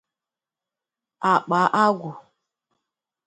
àkpà agwụ